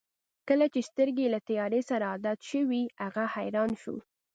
کله چې سترګې یې له تیارې سره عادت شوې هغه حیران شو.